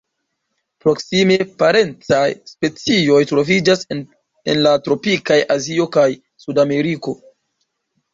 Proksime parencaj specioj troviĝas en la tropikaj Azio kaj Sudameriko.